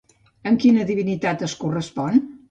Amb quina divinitat es correspon?